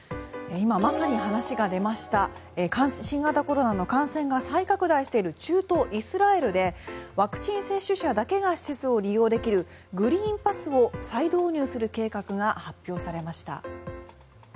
今、まさに話が出ました新型コロナの感染が再拡大している中東イスラエルでワクチン接種者だけが施設を利用できるグリーンパスを再導入する計画が発表されました。